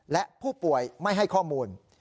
และผู้ป่วยไม่ให้ข้อมูล